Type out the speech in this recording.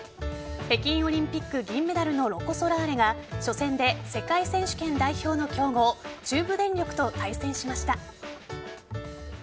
北京オリンピック銀メダルのロコ・ソラーレが初戦で世界選手権代表の強豪中部電力と対戦しました。